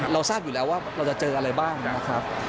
เราทราบอยู่แล้วว่าเราจะเจออะไรบ้างนะครับ